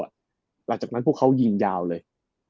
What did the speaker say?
หลังจากนั้นพวกเขายิงยาวเลย